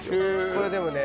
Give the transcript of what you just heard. これでもね